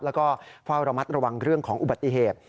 แล้วก็เฝ้าระมัดระวังเรื่องของอุบัติเหตุ